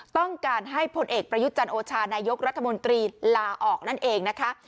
ต้องการให้พลเอกประยุทธ์จันโอชานายกรัฐมนตรีลาออกนั่นเองนะคะ